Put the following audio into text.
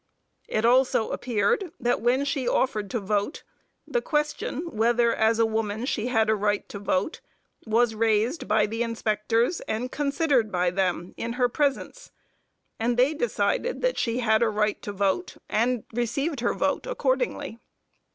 It also appeared that when she offered to vote, the question whether as a woman she had a right to vote, was raised by the inspectors, and considered by them in her presence, and they decided that she had a right to vote, and received her vote accordingly.